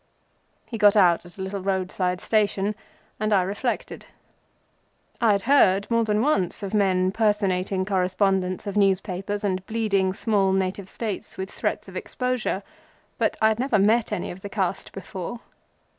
He got out at a little roadside station, and I reflected. I had heard, more than once, of men personating correspondents of newspapers and bleeding small Native States with threats of exposure, but I had never met any of the caste before.